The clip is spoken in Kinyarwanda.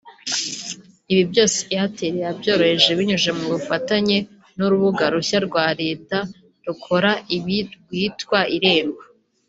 Ibi byose Airtel yabyoroheje binyuze mu bufatanye n’urubuga rushya rwa leta rukora ibi rwitwa Irembo